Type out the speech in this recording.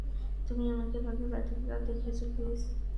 তুমি আমাকে তাদের ব্যর্থতাটা দেখিয়েছ, লুইস।